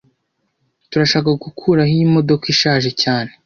Turashaka gukuraho iyi modoka ishaje cyane